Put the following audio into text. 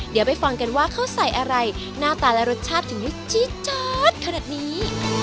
เดี๋ยวไปฟังกันว่าเขาใส่อะไรหน้าตาและรสชาติถึงได้จี๊ดจัดขนาดนี้